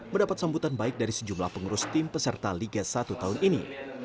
mendapat sambutan baik dari sejumlah pengurus tim peserta liga satu tahun ini